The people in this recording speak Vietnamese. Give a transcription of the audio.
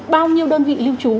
bao nhiêu đơn vị lưu trú